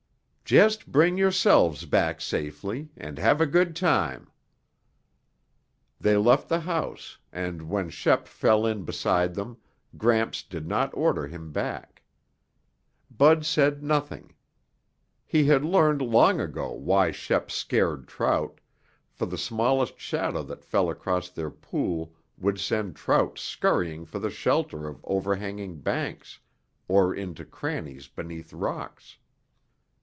"Just bring yourselves back safely, and have a good time." They left the house, and when Shep fell in beside them, Gramps did not order him back. Bud said nothing. He had learned long ago why Shep scared trout, for the smallest shadow that fell across their pool would send trout scurrying for the shelter of overhanging banks or into crannies beneath rocks.